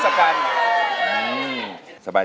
หัวใจทดสกัน